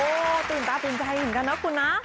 โอ้โฮตื่นตาตื่นใจอินกันนะคุณน้ำ